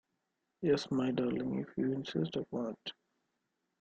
Yes, my darling, if you insist upon it!